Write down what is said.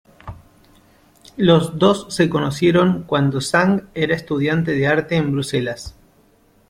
Los dos se conocieron cuando Zhang era estudiante de arte en Bruselas.